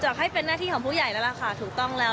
ให้เป็นหน้าที่ของผู้ใหญ่แล้วล่ะค่ะถูกต้องแล้ว